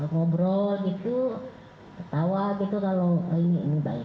jadi ngobrol gitu ketawa gitu kalau ini baik